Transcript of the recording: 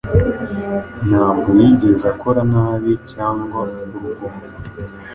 Ntabwo yigeze akora nabi cyangwa urugomo,